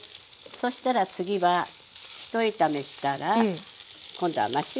そしたら次はひと炒めしたら今度はマッシュルーム。